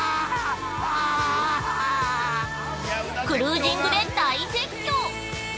クルージングで大絶叫。